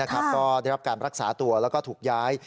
ก็ได้รับการรักษาตัวแล้วก็ถูกย้าย